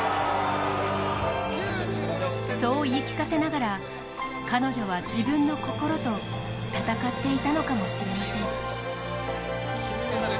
そう言い聞かせながら彼女は自分の心と戦っていたのかもしれません。